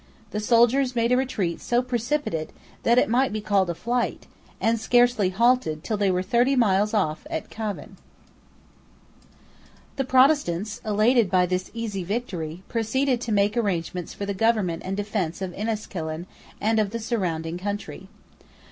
The soldiers made a retreat so precipitate that it might be called a flight, and scarcely halted till they were thirty miles off at Cavan, The Protestants, elated by this easy victory, proceeded to make arrangements for the government and defence of Enniskillen and of the surrounding country.